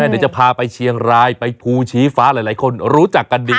เดี๋ยวจะพาไปเชียงรายไปภูชีฟ้าหลายคนรู้จักกันดี